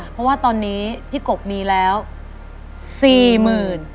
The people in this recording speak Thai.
เพราะว่าตอนนี้พี่กบมีแล้ว๔๐๐๐บาท